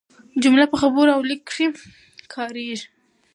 جمله په خبرو او لیک کښي کاریږي.